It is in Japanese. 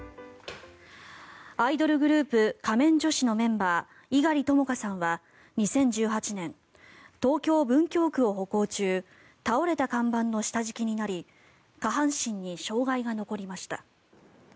アイドルグループ仮面女子のメンバー猪狩ともかさんは２０１８年東京・文京区を歩行中倒れた看板の下敷きとなり下半身に障害が残りました。